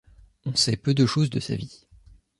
On sait peu de choses de sa vie.